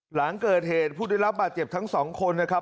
หลังเกิดเหตุผู้ได้รับบาดเจ็บทั้งสองคนนะครับ